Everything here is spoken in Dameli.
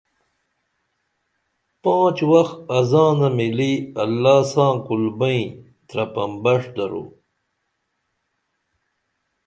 پانچ وخ ازانہ مِلی اللہ ساں کُل بئیں ترپن بݜ درو